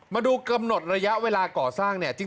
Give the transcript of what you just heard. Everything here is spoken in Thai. มาดูกำหนดระยะเวลาก่อสร้างเนี่ย